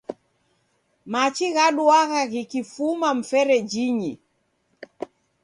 Machi ghaduagha ghikifuma mferejinyi